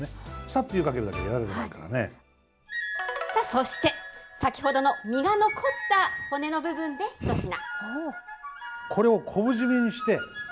そして、先ほどの身が残った骨の部分で一品。